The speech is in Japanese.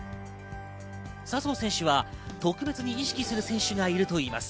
笹生選手は特別に意識する選手がいるといいます。